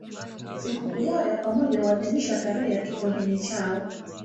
Sikukuu yao ya pamoja huadhimishwa tarehe ya kifodini chao.